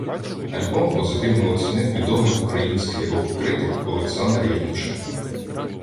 Альбом позитивно оцінив відомий український рок-критик Олександр Євтушенко.